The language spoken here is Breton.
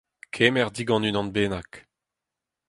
kemer digant unan bennak